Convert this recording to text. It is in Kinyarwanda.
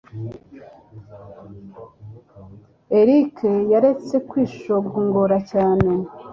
Eric yaretse kwishongora cyane.